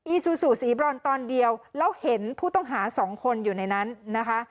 ซูซูสีบรอนตอนเดียวแล้วเห็นผู้ต้องหาสองคนอยู่ในนั้นนะคะ